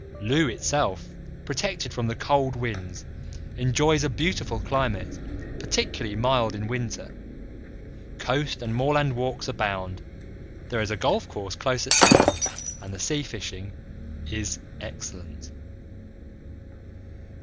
Looe itself, protected from the cold winds, enjoys a beautiful climate, particularly mild in winter. Coast and moorland walks abound; there is a golf course close at hand, and the sea fishing is excellent.